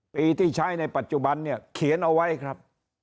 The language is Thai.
ปีที่ใช้ในปัจจุบันเนี่ยเขียนเอาไว้ครับ